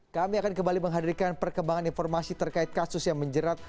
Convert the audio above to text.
kami akan kembali menghadirkan perkembangan informasi terkait kasus yang menjerat